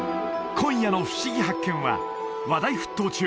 今夜の「ふしぎ発見！」は話題沸騰中